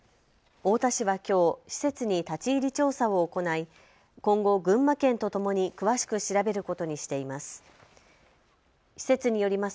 太田市はきょう施設に立ち入り調査を行い今後、群馬県とともに詳しく調べることにしています。